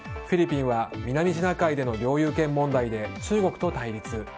フィリピンは南シナ海での領有権問題で中国と対立。